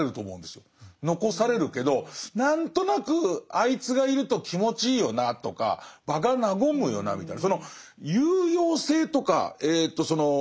残されるけど何となくあいつがいると気持ちいいよなとか場が和むよなみたいな